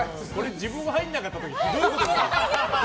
自分が入らなかった時ひどいことになる。